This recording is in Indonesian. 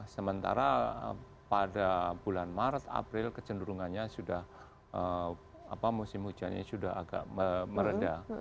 sementara pada bulan maret april kecenderungannya sudah musim hujannya sudah agak meredah